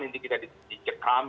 ini kita dicekam